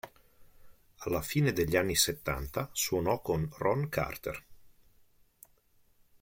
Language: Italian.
Alla fine degli anni settanta suonò con Ron Carter.